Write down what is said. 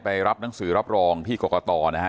รับหนังสือรับรองที่กรกตนะฮะ